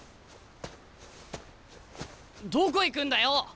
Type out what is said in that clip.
どこ行くんだよ？